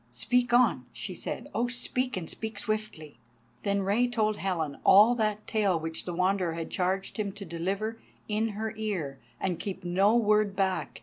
"Speak on," she said. "Oh, speak, and speak swiftly." Then Rei told Helen all that tale which the Wanderer had charged him to deliver in her ear, and keep no word back.